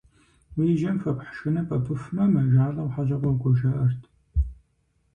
Уи жьэм хуэпхь шхыныр пӀэпыхумэ, мажалӀэу хьэщӀэ къокӀуэ жаӀэрт.